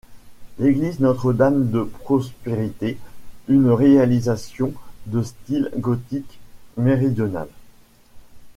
L'église Notre-Dame-de-Prospérité une réalisation de style gothique méridional.